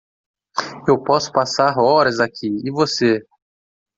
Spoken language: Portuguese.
eu posso passar horas aqui e você?